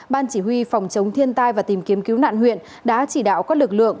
ban chỉ huy phòng chống thiên tai và tìm kiếm cứu nạn huyện đã chỉ đạo các lực lượng